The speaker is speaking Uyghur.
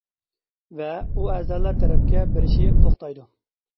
ۋە ئۇ ئەزالار تەرەپكە بېرىشى توختايدۇ.